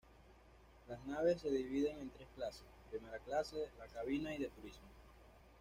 Las naves se dividen en tres clases: primera clase, la cabina, y de Turismo.